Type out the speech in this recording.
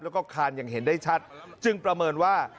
แล้วก็คานอย่างเห็นได้ชัดจึงประเมินว่า